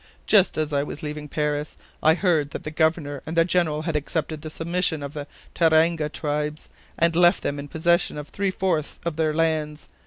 Just as I was leaving Paris, I heard that the Governor and the General had accepted the submission of the Tauranga tribes, and left them in possession of three fourths of their lands.